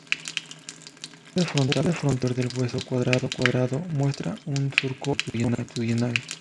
El borde frontal exterior del hueso cuadrado muestra un surco longitudinal.